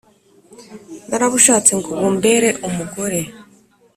narabushatse ngo bumbere umugore,